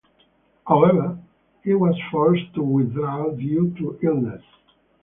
However, he was forced to withdraw due to illness.